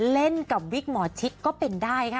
เล่นกับวิกหมอชิดก็เป็นได้ค่ะ